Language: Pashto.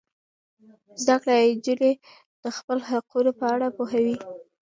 زده کړه نجونې د خپل حقونو په اړه پوهوي.